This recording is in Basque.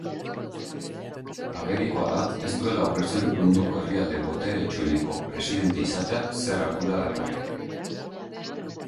Agerikoa da ez duela ulertzen munduko herrialde boteretsueneko presidente izateak zer adura dakarren.